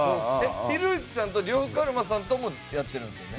ひろゆきさんと呂布カルマさんともやってるんですよね？